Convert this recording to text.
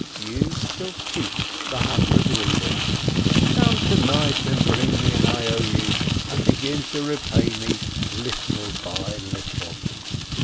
You shall keep the hundred rubles. Come to night and bring me an I. 0. U., and begin to repay me little by little."